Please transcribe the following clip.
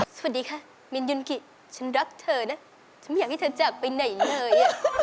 สวัสดีค่ะมินยุนกิฉันรักเธอนะฉันอยากให้เธอจากไปไหนเลย